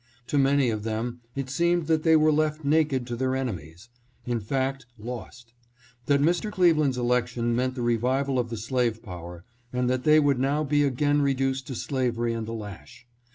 To many of them it seemed that they were left naked to their enemies ; in fact, lost ; that Mr. Cleveland's election meant the revival of the slave power, and that they would now be again reduced to slavery and the lash.